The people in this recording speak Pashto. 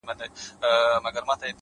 o چي سُجده پکي ـ نور په ولاړه کيږي ـ